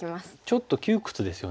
ちょっと窮屈ですよね。